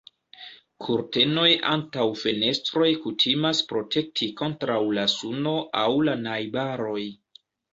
Kurtenoj antaŭ fenestroj kutimas protekti kontraŭ la suno aŭ la najbaroj.